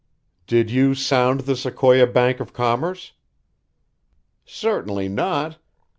"Did you sound the Sequoia Bank of Commerce?" "Certainly not.